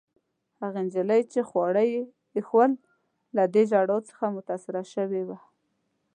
هغې نجلۍ، چي خواړه يې ایښوول، له دې ژړا څخه متاثره شوې وه.